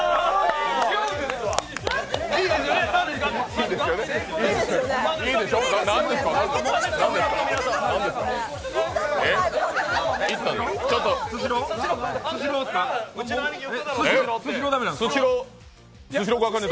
いいですよね？